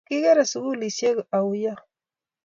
Kikere sukulisyek au yo?